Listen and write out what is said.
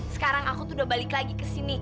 sekarang aku tuh udah balik lagi ke sini